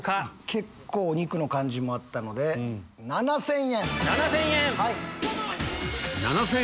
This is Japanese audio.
結構お肉の感じもあったので７０００円。